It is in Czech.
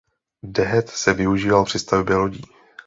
Dehet se využíval při stavbě lodí.